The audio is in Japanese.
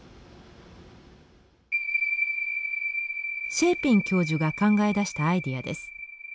シェーピン教授が考え出したアイデアです。